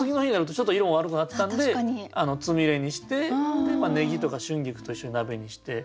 ちょっと色悪くなってたんでつみれにしてネギとか春菊と一緒に鍋にして。